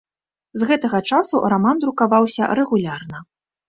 З гэтага часу раман друкаваўся рэгулярна.